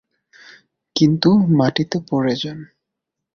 কিন্তু মাটিতে পড়ে যান।